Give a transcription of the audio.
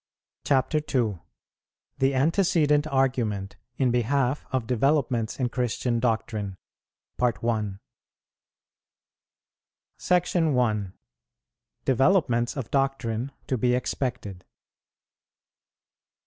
3.] CHAPTER II. ON THE ANTECEDENT ARGUMENT IN BEHALF OF DEVELOPMENTS IN CHRISTIAN DOCTRINE. SECTION I. DEVELOPMENTS OF DOCTRINE TO BE EXPECTED.